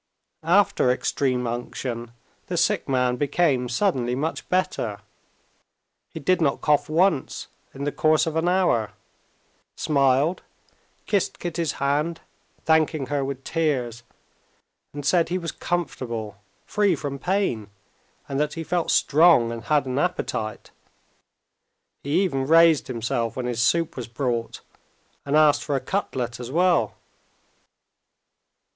After extreme unction the sick man became suddenly much better. He did not cough once in the course of an hour, smiled, kissed Kitty's hand, thanking her with tears, and said he was comfortable, free from pain, and that he felt strong and had an appetite. He even raised himself when his soup was brought, and asked for a cutlet as well.